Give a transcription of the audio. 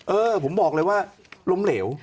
เออผมบอกเลยว่าล้มเหลว